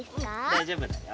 だいじょうぶだよ。